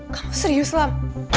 kamu serius lam